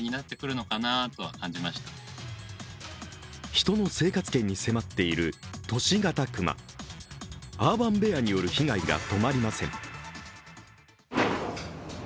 人の生活圏に迫っている都市型熊アーバンベアによる被害が止まりません。